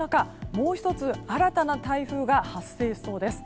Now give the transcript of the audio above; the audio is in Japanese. もう１つ新たな台風が発生しそうです。